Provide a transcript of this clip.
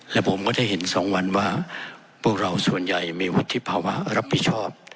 และผมก็ได้เห็น๒วันว่าพวกเราส่วนใหญ่มีวุฒิภาวะรับผิดชอบ